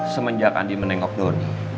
semenjak andi menengok doni